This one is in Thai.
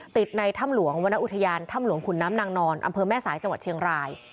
ในถ้ำหลวงวรรณอุทยานถ้ำหลวงขุนน้ำนางนอนอำเภอแม่สายจังหวัดเชียงราย